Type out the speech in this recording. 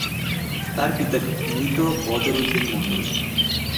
তার পিতা মৃত বদর উদ্দিন মণ্ডল।